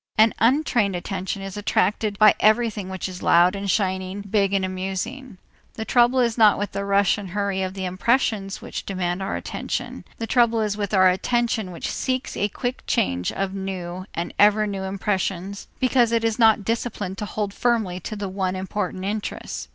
An untrained attention is attracted by everything which is loud and shining, big and amusing. The trouble is not with the rush and hurry of the impressions which demand our attention; the trouble is with our attention which seeks a quick change of new and ever new impressions because it is not disciplined to hold firmly to one important interest.